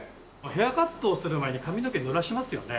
ヘアカットをする前に髪の毛ぬらしますよね？